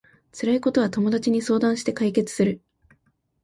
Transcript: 辛いことは友達に相談して解決する